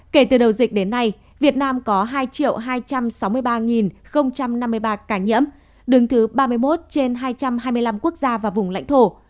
kể từ đầu dịch đến nay việt nam có hai hai trăm sáu mươi ba năm mươi ba ca nhiễm đứng thứ ba mươi một trên hai trăm hai mươi năm quốc gia và vùng lãnh thổ